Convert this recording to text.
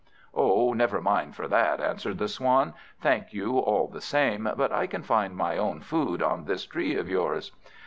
"Oh, never mind for that," answered the Swan; "thank you all the same, but I can find my own food on this tree of yours."